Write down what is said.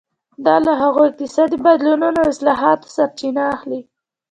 دا له هغو اقتصادي بدلونونو او اصلاحاتو سرچینه اخلي.